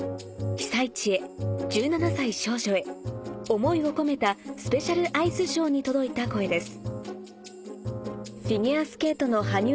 被災地へ１７歳少女へ想いを込めたＳＰアイスショー」に届いた声です